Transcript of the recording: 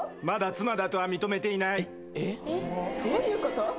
まだ妻だとは認めていないどういうこと！？